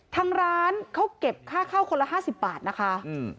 ทางร้านเขาเก็บค่าเข้าคนละ๕๐บาทนะคะ